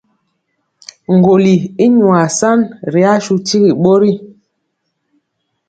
Ŋgɔli i nwa sa ri asu tigi ɓori.